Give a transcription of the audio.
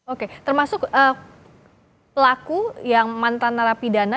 oke termasuk pelaku yang mantan narapidana